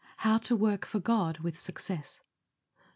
HOW TO WORK FOR GOD WITH SUCCESS.